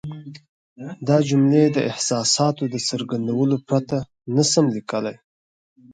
دا جملې د احساساتو د څرګندولو پرته نه شم لیکلای.